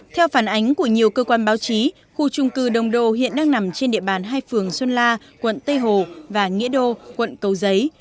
theo phản ánh của nhiều cơ quan báo chí khu trung cư đông đô hiện đang nằm trên địa bàn hai phường xuân la quận tây hồ và nghĩa đô quận cầu giấy